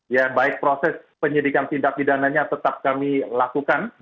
ya baik proses penyelidikan tindak didananya tetap kami lakukan